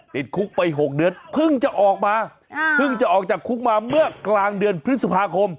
ติดคุกไป๖เดือนเพิ่งจะออกมาเพิ่งจะออกจากคุกมาเมื่อกลางเดือนพฤษภาคม